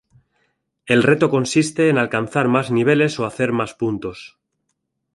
El reto consiste en alcanzar más niveles o hacer más puntos.